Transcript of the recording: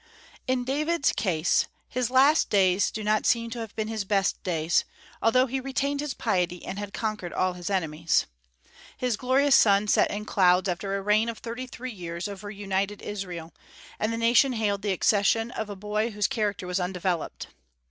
In David's case, his last days do not seem to have been his best days, although he retained his piety and had conquered all his enemies. His glorious sun set in clouds after a reign of thirty three years over united Israel, and the nation hailed the accession of a boy whose character was undeveloped.